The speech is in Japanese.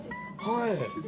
はい。